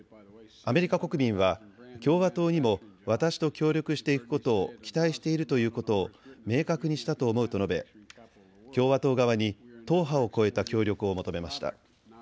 アメリカ国民は共和党にも私と協力していくことを期待しているということを明確にしたと思うと述べ、共和党側に党派を超えた協力を求めました。